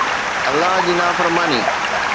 الله جي نافرماني